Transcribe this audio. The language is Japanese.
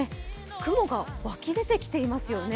雲が湧き出てきていますよね。